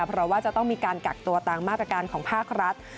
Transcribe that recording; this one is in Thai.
เพราะว่าจะต้องมีการกักตัวตามมาตรการของภาครัฐ